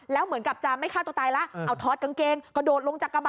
แล้วเหมือนกับจะไม่ฆ่าตัวตายแล้วเอาถอดกางเกงกระโดดลงจากกระบะ